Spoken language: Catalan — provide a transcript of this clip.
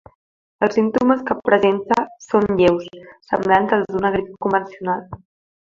Els símptomes que presenta són lleus, semblants als d’una grip convencional.